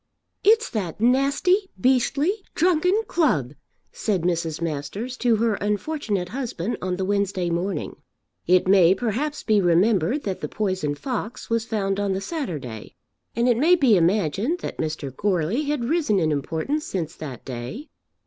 "It's that nasty, beastly, drunken club," said Mrs. Masters to her unfortunate husband on the Wednesday morning. It may perhaps be remembered that the poisoned fox was found on the Saturday, and it may be imagined that Mr. Goarly had risen in importance since that day.